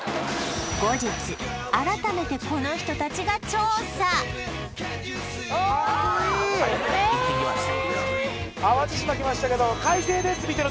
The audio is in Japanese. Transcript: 後日改めてこの人たちが調査えっ行ってきました